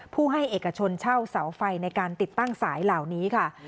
ผู้ให้เอกชนเช่าเสาไฟในการติดตั้งสายเหล่านี้ค่ะ